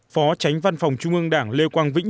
phó tránh văn phòng trung ương đảng lê quang vĩnh